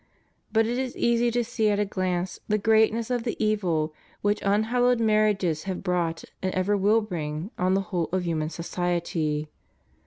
But it is easy to see at a glance the greatness of the evil which unhallowed marriages have brought, and ever will bring, on the whole of human society.